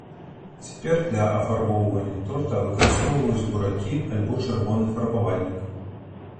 Цяпер для афарбоўвання торта выкарыстоўваюць буракі альбо чырвоны фарбавальнік.